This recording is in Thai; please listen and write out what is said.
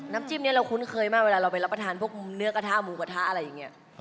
จิ้มนี้เราคุ้นเคยมากเวลาเราไปรับประทานพวกเนื้อกระทะหมูกระทะอะไรอย่างนี้